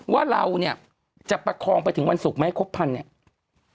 ว่าเราเนี่ยจะประคองไปถึงวันศุกร์ไหมครบพันธุ์เนี่ย